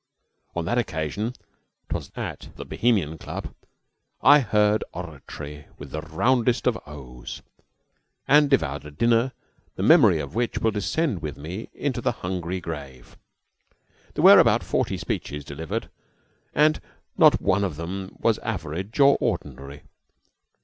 On that occasion 'twas at the Bohemian Club I heard oratory with the roundest of o's, and devoured a dinner the memory of which will descend with me into the hungry grave. There were about forty speeches delivered, and not one of them was average or ordinary.